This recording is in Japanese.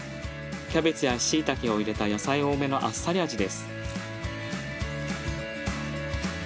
キャベツやしいたけを入れた野菜多めのあっさり味です。